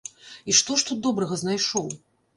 І што ж тут добрага знайшоў?